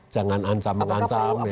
jangan ancam ancam ya